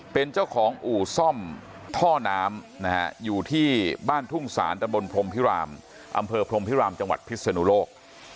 เป็นเจ้าของอู่ซ่อมท่อน้ำนะฮะอยู่ที่บ้านทุ่งศาลตะบนพรมพิรามอำเภอพรมพิรามจังหวัดพิศนุโลก